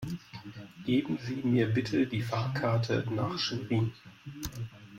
Geben Sie mir bitte die Fahrkarte nach Schwerin